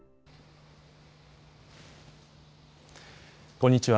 こんにちは。